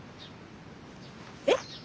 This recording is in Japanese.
えっ？